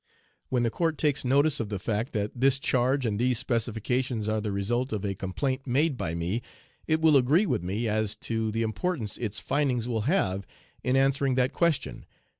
When the court takes notice of the fact that this charge and these specifications are the result of a complaint made by me, it will agree with me as to the importance its findings will have in answering that question.